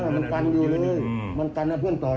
มันกันอยู่เลยมันตันให้เพื่อนต่อย